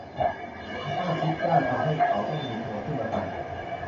พระอาทิตย์จ้าทำให้เขาต้องหยิบหมวกขึ้นมาใส่